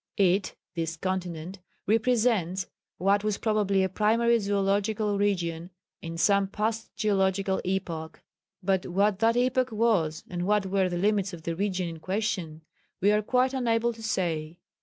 "It [this continent] represents what was probably a primary zoological region in some past geological epoch; but what that epoch was and what were the limits of the region in question, we are quite unable to say.